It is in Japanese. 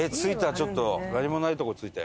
ちょっと何もないとこ着いたよ